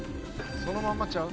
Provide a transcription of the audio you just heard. そのまんまちゃう？